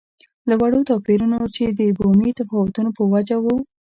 له وړو توپیرونو چې د بومي تفاوتونو په وجه وو.